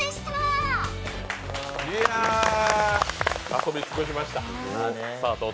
遊び尽くしました。